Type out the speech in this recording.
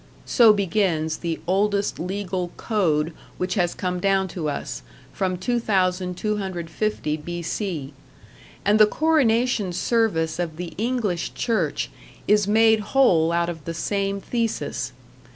so begins the oldest legal code which has come down to us, from 2250 B.C.; and the coronation service of the English church is made whole out of the same thesis.